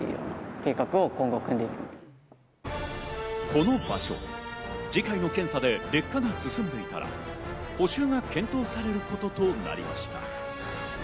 この場所、次回の検査で劣化が進んでいたら補修が検討されることとなりました。